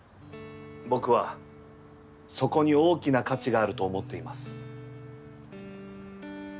僕はそこに大きな価値があると思っています